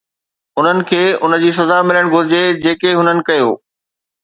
انهن کي ان جي سزا ملڻ گهرجي جيڪي هنن ڪيو.